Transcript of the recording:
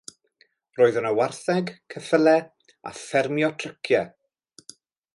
Roedd yno wartheg, ceffylau a ffermio tryciau.